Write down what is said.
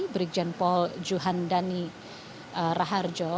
berikjian paul juhandani raharjo